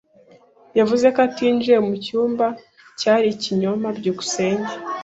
Yavuze ko atinjiye mu cyumba, cyari ikinyoma. byukusenge